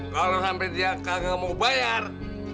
kalo sampe dia kagak mau bayar